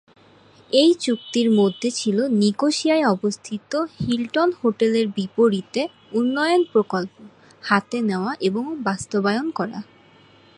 এই চুক্তির মধ্যে ছিল নিকোসিয়ায় অবস্থিত হিল্টন হোটেলের বিপরীতে উন্নয়ন প্রকল্প হাতে নেয়া এবং বাস্তবায়ন করা।